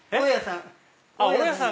大家さん。